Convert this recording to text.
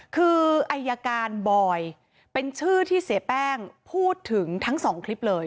คืออายการบอยเป็นชื่อที่เสียแป้งพูดถึงทั้งสองคลิปเลย